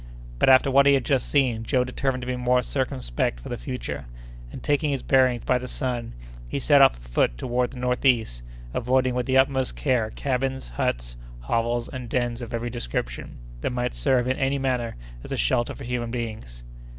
But after what he had just seen, Joe determined to be more circumspect for the future; and, taking his bearings by the sun, he set off afoot toward the northeast, avoiding with the utmost care cabins, huts, hovels, and dens of every description, that might serve in any manner as a shelter for human beings.